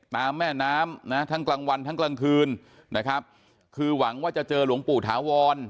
แม่น้ำนะทั้งกลางวันทั้งกลางคืนนะครับคือหวังว่าจะเจอหลวงปู่ถาวร